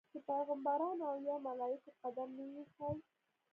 چې پیغمبرانو او یا ملایکو قدم نه وي ایښی.